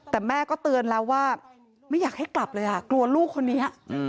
แต่แม่ก็เตือนแล้วว่าไม่อยากให้กลับเลยอ่ะกลัวลูกคนนี้